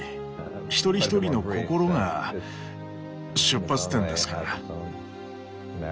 一人一人の心が出発点ですから。